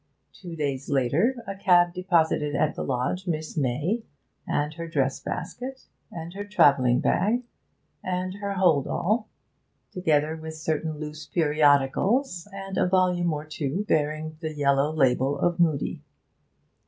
Two days later a cab deposited at the lodge Miss May, and her dress basket, and her travelling bag, and her holdall, together with certain loose periodicals and a volume or two bearing the yellow label of Mudie.